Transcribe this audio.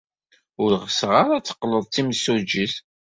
Ur ɣseɣ ara ad qqleɣ d timsujjit.